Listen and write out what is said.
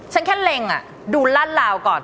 ฉันแค่เล็งดูลาดลาวก่อน